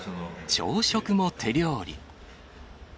朝食も手料理。